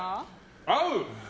合う！